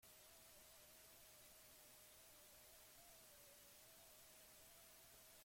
Beste hogei mila bat artikulu argitaratzea lortu dugu.